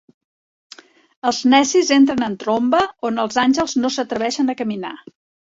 Els necis entren en tromba on els àngels no s'atreveixen a caminar.